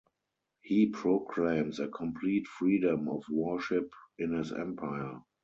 He proclaims a complete freedom of worship in his empire.